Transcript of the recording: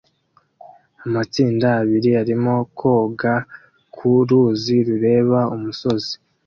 Amatsinda abiri arimo koga ku ruzi rureba umusozi